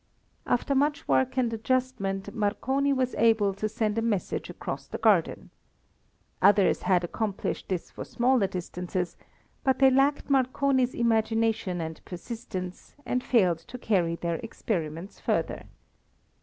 After much work and adjustment Marconi was able to send a message across the garden. Others had accomplished this for similar distances, but they lacked Marconi's imagination and persistence, and failed to carry their experiments further.